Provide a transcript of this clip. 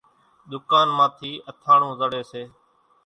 ۮُڪانَ مان ٿِي اٿاڻون زڙيَ سي۔